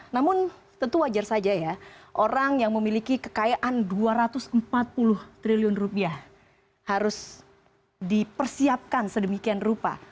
namun tentu wajar saja ya orang yang memiliki kekayaan dua ratus empat puluh triliun rupiah harus dipersiapkan sedemikian rupa